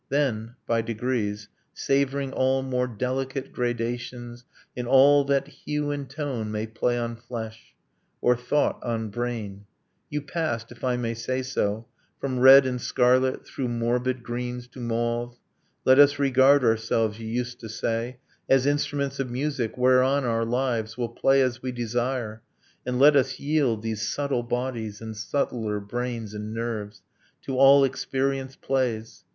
Then, by degrees, Savoring all more delicate gradations In all that hue and tone may play on flesh, Or thought on brain, you passed, if I may say so, From red and scarlet through morbid greens to mauve. Let us regard ourselves, you used to say, As instruments of music, whereon our lives Will play as we desire: and let us yield These subtle bodies and subtler brains and nerves To all experience plays